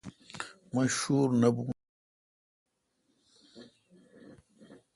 مہ شور نہ بھون